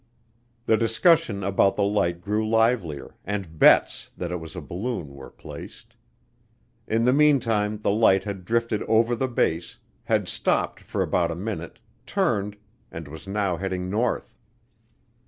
The discussion about the light grew livelier and bets that it was a balloon were placed. In the meantime the light had drifted over the base, had stopped for about a minute, turned, and was now heading north.